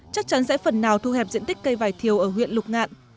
chắc chắn sẽ phần nào thu hẹp diện tích cây vải thiều ở huyện lục ngạn